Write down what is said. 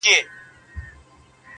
په نارو یو له دنیا له ګاونډیانو!!